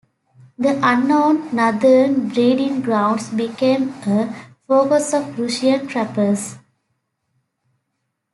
The unknown northern breeding grounds became a focus of Russian trappers.